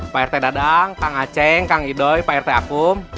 pak rt dadang kang aceh kang idoy pak rt akum